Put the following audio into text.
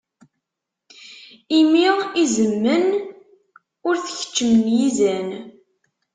Imi izemmen, ur t-keččmen yizan.